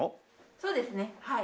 そうですねはい。